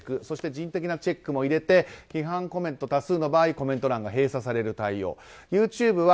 そして人的なチェックも入れて批判コメント多数の場合コメント欄が閉鎖される対応。